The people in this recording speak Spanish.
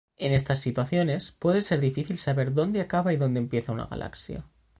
En estas situaciones, puede ser difícil saber dónde acaba y dónde empieza una galaxia.